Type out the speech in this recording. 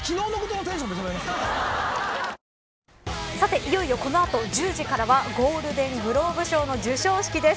いよいよ、この後１０時からはゴールデン・グローブ賞の授賞式です。